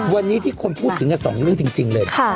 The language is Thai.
วันนี้ที่คนพูดถึงกันสองเรื่องจริงเลย